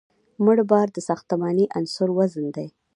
مړ بار د ساختماني عنصر وزن دی